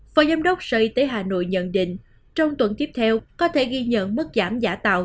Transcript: phó giám đốc sở y tế hà nội nhận định trong tuần tiếp theo có thể ghi nhận mức giảm giả tạo